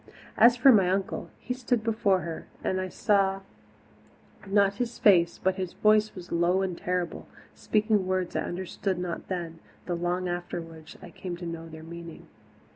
As for my uncle, he stood before her and I saw not his face, but his voice was low and terrible, speaking words I understood not then, though long afterwards I came to know their meaning.